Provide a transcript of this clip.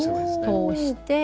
通して。